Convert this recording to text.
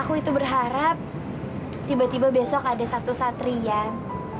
aku itu berharap tiba tiba besok ada satu satrian